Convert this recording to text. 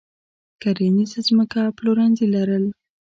کرنیزه ځمکه او پلورنځي لرل.